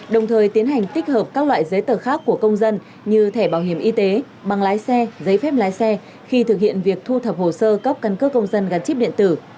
đồng thời tiến hành tích hợp các loại giấy tờ khác của công dân như thẻ bảo hiểm y tế bằng lái xe giấy phép lái xe khi thực hiện việc thu thập hồ sơ cấp căn cước công dân gắn chip điện tử